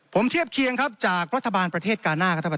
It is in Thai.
ผมเทียบเคียงจากรัฐบาลประเทศกาหน้าครับ